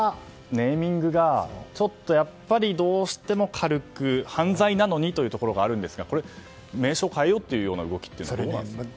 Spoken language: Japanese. ネーミングがちょっとやっぱりどうしても軽く犯罪なのにというところがありますが名称を変えようという動きはどうなんですか？